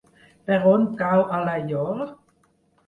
Per on cau Alaior?